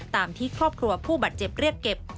ตามที่ครอบครัวผู้บาดเจ็บเรียกเก็บ